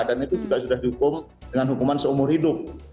itu juga sudah dihukum dengan hukuman seumur hidup